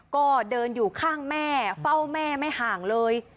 ก็เดินอยู่ข้างแม่เฝ้าแม่ไม่ห่างเลย